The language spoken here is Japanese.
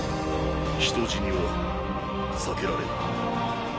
人死には避けられん。